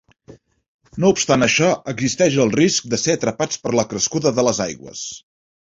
No obstant això existeix el risc de ser atrapats per la crescuda de les aigües.